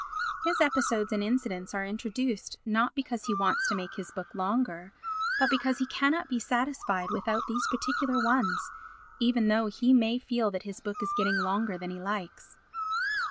His episodes and incidents are introduced not because he wants to make his book longer but because he cannot be satisfied without these particular ones, even though he may feel that his book is getting longer than he likes.